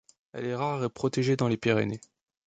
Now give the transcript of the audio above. Elle est rare et protégée dans les Pyrénées.